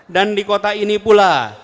dan di kota ini pula